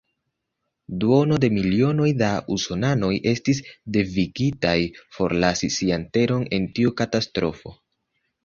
Duono de milionoj da usonanoj estis devigitaj forlasi sian teron en tiu katastrofo.